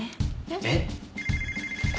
えっ？